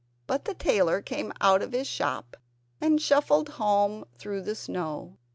But the tailor came out of his shop and shuffled home through the snow.